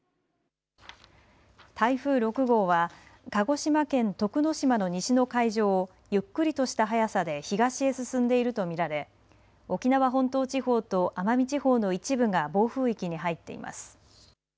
台風６号は鹿児島県徳之島の西の海上をゆっくりとした速さで東へ進んでいると見られ沖縄本島地方と奄美地方の一部が暴風域に入っています。